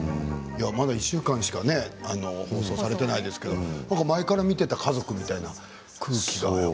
１週間しか放送されていないですけれどもほぼ前から見ていた家族みたいな空気が。